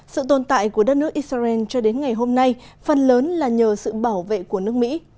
sự tồn tại của đất nước israel cho đến ngày hôm nay phần lớn là nhờ sự bảo vệ của nước mỹ